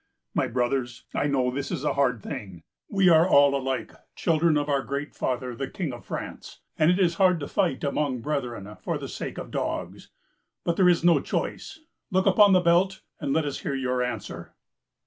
My brothers, I know this is a hard thing. We are all alike children of our Great Father the King of France, and it is hard to fight among brethren for the sake of dogs. But there is no choice. Look upon the belt, and let us hear your answer."